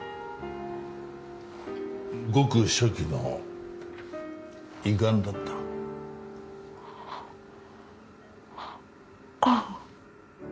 ごく初期の胃がんだったえっがん？